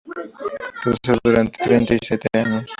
Quedó cerrado durante treinta y siete años.